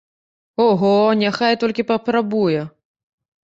Ого, няхай толькі папрабуе!